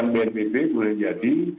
yang dilakukan bnpb boleh jadi